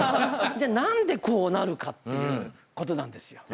じゃ何でこうなるかっていうことなんですよ。